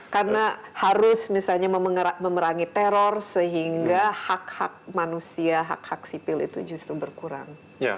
karena harus misalnya memerangi teror sehingga hak hak manusia hak hak sipil itu justru berkurang